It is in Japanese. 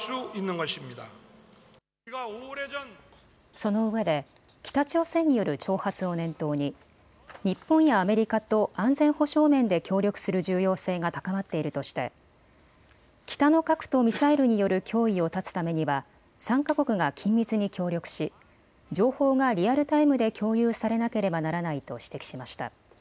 そのうえで北朝鮮による挑発を念頭に日本やアメリカと安全保障面で協力する重要性が高まっているとして北の核とミサイルによる脅威を断つためには３か国が緊密に協力し情報がリアルタイムで共有されなければならないと指摘しました。